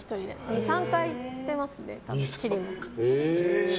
２３回行ってますね、チリに。